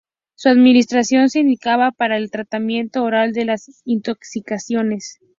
Su administración se indicaba para el tratamiento oral de las intoxicaciones.